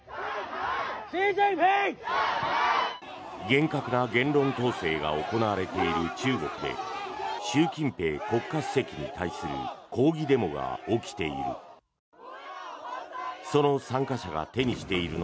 厳格な言論統制が行われている中国で習近平国家主席に対する抗議デモが起きている。